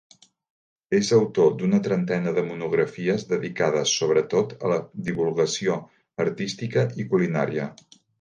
És autor d'una trentena de monografies, dedicades sobretot a la divulgació artística i culinària.